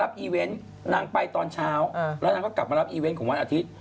อีเวนต์นางไปตอนเช้าแล้วนางก็กลับมารับอีเวนต์ของวันอาทิตย์